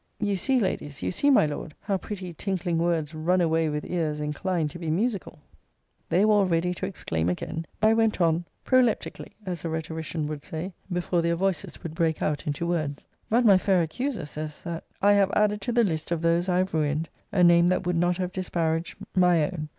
You see, Ladies, you see, my Lord, how pretty tinkling words run away with ears inclined to be musical. They were all ready to exclaim again: but I went on, proleptically, as a rhetorician would say, before their voices would break out into words. But my fair accuser says, that, 'I have added to the list of those I have ruined, a name that would not have disparaged my own.'